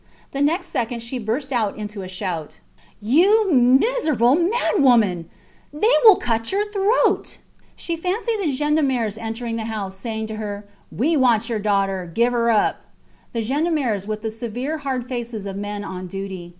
The next second she burst out into a shout You miserable madwoman ... they will cut your neck. ... She fancied the gendarmes entering the house, saying to her: We want your daughter; give her up: the gendarmes with the severe, hard faces of men on duty.